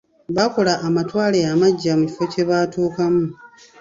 Baakola amatwale amaggya mu kifo kye batuukamu.